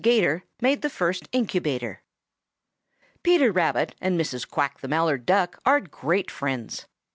'GATOR MADE THE FIRST INCUBATOR Peter Rabbit and Mrs. Quack the Mallard Duck are great friends.